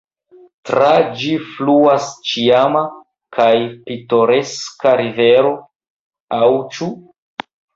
Tra ĝi fluas ĉarma kaj pitoreska rivero – aŭ ĉu?